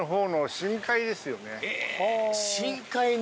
深海に！